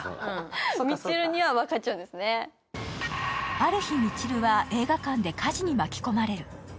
ある日、みちるは映画館で火事に巻き込まれる。